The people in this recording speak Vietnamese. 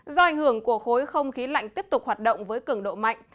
do ảnh hưởng của khối không khí lạnh tiếp tục hoạt động với cường độ mạnh